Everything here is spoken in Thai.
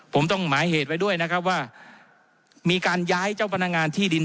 ผมต้องหมายเหตุไว้ด้วยนะครับว่ามีการย้ายเจ้าพนักงานที่ดิน